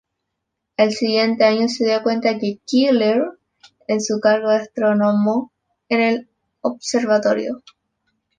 Al siguiente año sucedió a Keeler en su cargo de astrónomo en el observatorio.